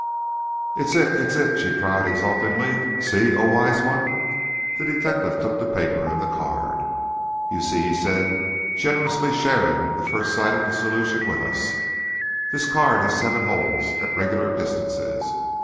"It's it! It's it!" she cried, exultantly. "See, oh, Wise One!" The detective took the paper and the card. "You see," he said, generously sharing the first sight of the solution with us, "this card has seven holes, at irregular distances.